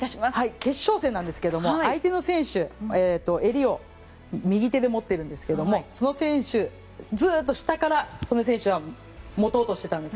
決勝戦なんですが相手の選手、襟を右手で持っているんですけどもその選手をずっと下から、素根選手は持とうとしていたんです。